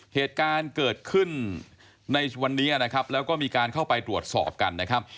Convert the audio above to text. เหตุการณ์เกิดขึ้นในวันนี้นะครับแล้วก็มีการเข้าไปตรวจสอบกันนะครับ